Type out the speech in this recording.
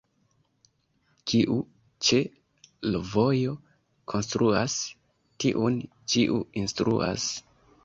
Kiu ĉe l' vojo konstruas, tiun ĉiu instruas.